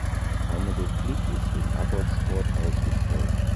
Eine Replik ist in Abbotsford ausgestellt.